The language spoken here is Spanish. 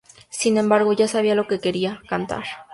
Sin embargo, ya sabía lo que quería: Cantar.